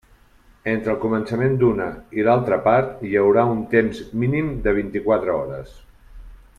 Entre el començament d'una i l'altra part hi haurà un temps mínim de vint-i-quatre hores.